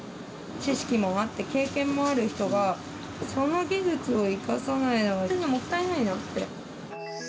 知識もあって、経験もある人が、その技術を生かさないのは、すごいもったいないなって。